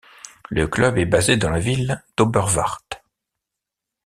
Le club est basé dans la ville d'Oberwart.